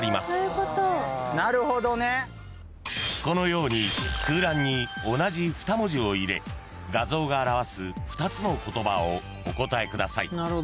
［このように空欄に同じ２文字を入れ画像が表す２つの言葉をお答えください］